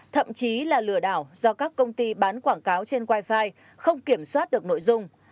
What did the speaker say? thậm chí là lừa đảo do các công ty bán quảng cáo trên wifi không kiểm soát được nội dung